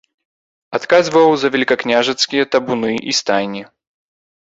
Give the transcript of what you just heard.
Адказваў за вялікакняжацкія табуны і стайні.